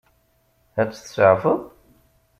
Ad tt-tseɛfeḍ?